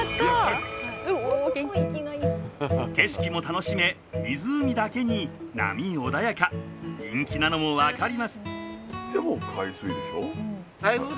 景色も楽しめ湖だけに人気なのも分かります。